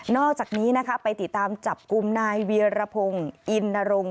อกจากนี้นะคะไปติดตามจับกลุ่มนายเวียรพงศ์อินนรงค